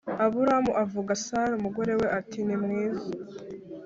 aburahamu avuga sara umugore we ati nimwiza